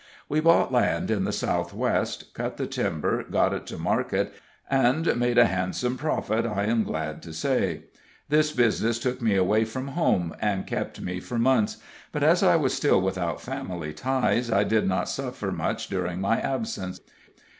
We bought land in the Southwest, cut the timber, got it to market, and made a handsome profit, I am glad to say. This business took me away from home, and kept me for months, but, as I was still without family ties, I did not suffer much during my absence.